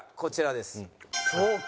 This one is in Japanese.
そうか。